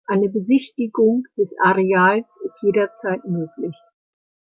Eine Besichtigung des Areals ist jederzeit möglich.